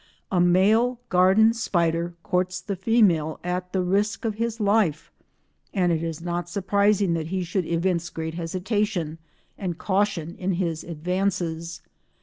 A male garden spider courts the female at the risk of his life, and it is not surprising that he should evince great hesitation and caution in his advances.